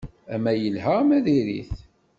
Ama yelha ama diri-t.